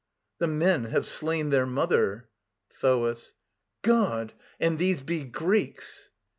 The men have slain their mother. THOAS. God! And these Be Greeks!